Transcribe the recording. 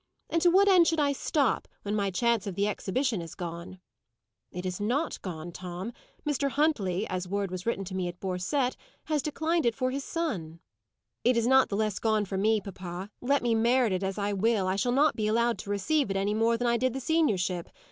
And to what end should I stop, when my chance of the exhibition is gone?" "It is not gone, Tom. Mr. Huntley as word was written to me at Borcette has declined it for his son." "It is not the less gone for me, papa. Let me merit it as I will, I shall not be allowed to receive it, any more than I did the seniorship.